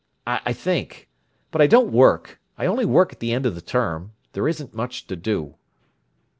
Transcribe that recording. I think, but I don't work. I only work at the end of the term. There isn't much to do."